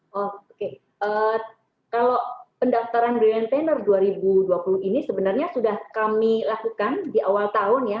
oke kalau pendaftaran brilliant tenner dua ribu dua puluh ini sebenarnya sudah kami lakukan di awal tahun ya